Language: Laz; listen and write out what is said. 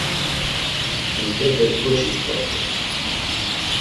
Hentepek ǩoçi mtzopxes.